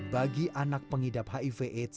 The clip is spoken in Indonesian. bagi anak pengidap hiv aids seperti anda